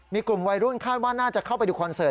มีกลุ่มวัยรุ่นคาดว่าน่าจะเข้าไปดูคอนเสิร์